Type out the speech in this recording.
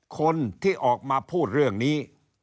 คนที่ออกมาพูดเรื่องนี้